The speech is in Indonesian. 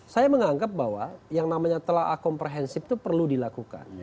saya menganggap bahwa yang namanya telah akomprehensif itu perlu dilakukan